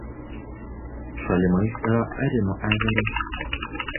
Šalimais yra Arino ežeras.